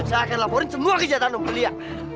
saya akan laporin semua kejahatan om belia